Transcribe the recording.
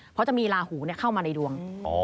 เพราะจะมีลาหูเข้ามาในดวง